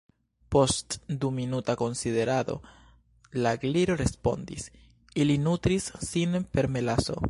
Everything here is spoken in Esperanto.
Post du minuta konsiderado la Gliro respondis: "Ili nutris sin per melaso."